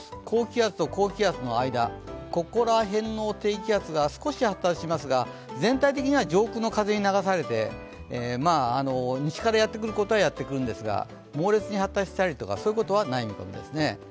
高気圧と高気圧の間、ここら辺の低気圧が少し発達しますが、全体的には上空の風に流されて、西からやってくることはやってくるんですが猛烈に発達したりとかそういうことはない見込みですね。